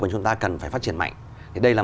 mà chúng ta cần phải phát triển mạnh thì đây là